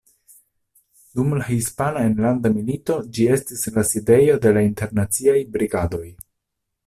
Dum la Hispana Enlanda Milito ĝi estis la sidejo de la Internaciaj Brigadoj.